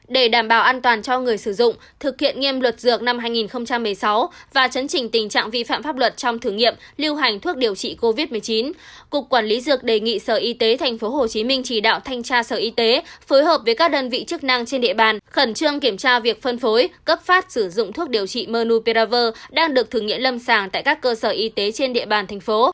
để đảm bảo an toàn cho người sử dụng thực hiện nghiêm luật dược năm hai nghìn một mươi sáu và chấn trình tình trạng vi phạm pháp luật trong thử nghiệm lưu hành thuốc điều trị covid một mươi chín cục quản lý dược đề nghị sở y tế tp hcm chỉ đạo thanh tra sở y tế phối hợp với các đơn vị chức năng trên địa bàn khẩn trương kiểm tra việc phân phối cấp phát sử dụng thuốc điều trị mnupiravir đang được thử nghiệm lâm sàng tại các cơ sở y tế trên địa bàn thành phố